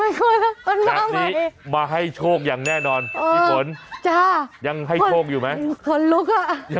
ไม่กลัวแล้วมันมาใหม่จากนี้มาให้โชคอย่างแน่นอนพี่ฝนยังให้โชคอยู่ไหม